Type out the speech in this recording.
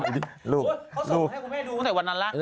ลูกเขาส่งให้คุณแม่ดูพร้อมกับวันนั้นละ